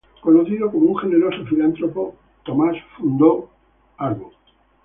Conocido como un generoso filántropo, Thomas fundó el St.